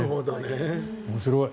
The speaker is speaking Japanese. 面白い。